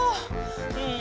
うん。